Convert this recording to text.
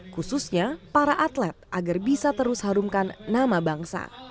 khususnya para atlet agar bisa terus harumkan nama bangsa